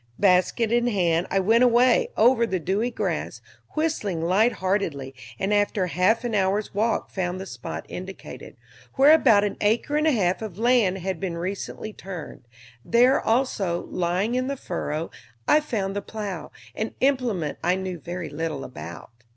Basket in hand I went away, over the dewy grass, whistling light heartedly, and after half an hour's walk found the spot indicated, where about an acre and a half of land had been recently turned; there also, lying in the furrow, I found the plow, an implement I knew very little about.